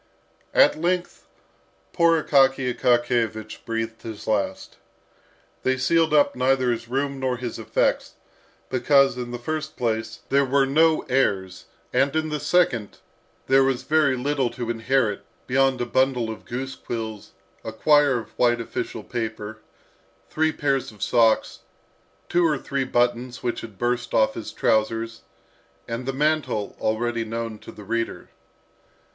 At length poor Akaky Akakiyevich breathed his last. They sealed up neither his room nor his effects, because, in the first place, there were no heirs, and, in the second, there was very little to inherit beyond a bundle of goose quills, a quire of white official paper, three pairs of socks, two or three buttons which had burst off his trousers, and the mantle already known to the reader.